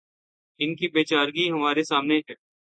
ان کی بے چارگی ہمارے سامنے ہے۔